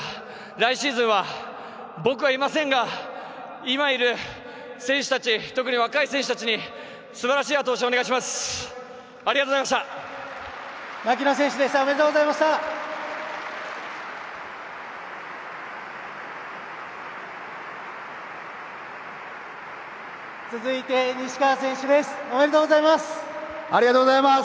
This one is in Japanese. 来シーズンは僕はいませんが今いる選手たち特に若い選手たちにすばらしいあと押しをお願いします。